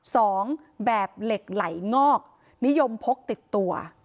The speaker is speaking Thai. สองแบบเหล็กไหลงอกนิยมพกติดตัว